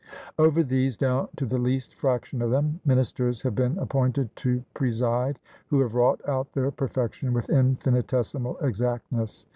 Over these, down to the least fraction of them, ministers have been appointed to preside, who have wrought out their perfection with infinitesimal exactness.